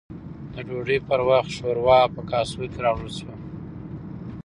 د ډوډۍ پر وخت، شورا په کاسو کې راوړل شوه